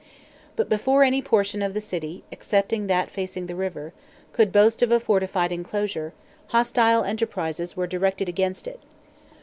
But before any portion of the city, except that facing the river, could boast of a fortified enclosure, hostile enterprises were directed against it.